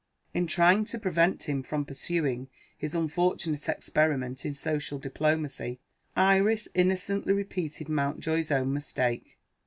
In trying to prevent him from pursuing his unfortunate experiment in social diplomacy, Iris innocently repeated Mountjoy's own mistake.